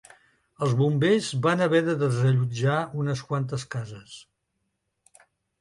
Els bombers van haver de desallotjar unes quantes cases.